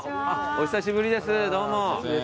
お久しぶりです。